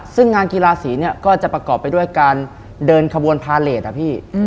ซึ่งงานกีฬาสีเนี่ยก็จะประกอบไปด้วยการเดินขบวนพาเลสอะพี่